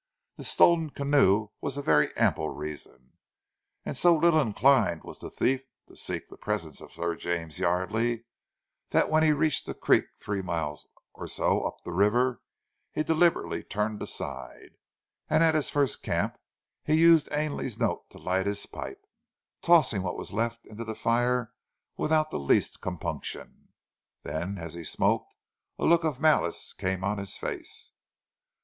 The stolen canoe was a very ample reason, and so little inclined was the thief to seek the presence of Sir James Yardely, that when he reached a creek three miles or so up the river, he deliberately turned aside, and at his first camp he used Ainley's note to light his pipe, tossing what was left of it into the fire without the least compunction. Then, as he smoked, a look of malice came on his face.